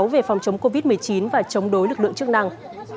về phòng chống covid một mươi chín và chống đối lực lượng chức năng